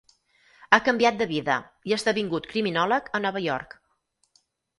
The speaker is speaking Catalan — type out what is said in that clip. Ha canviat de vida i ha esdevingut criminòleg a Nova York.